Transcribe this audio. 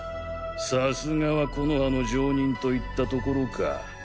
さすがは木ノ葉の上忍といったところか。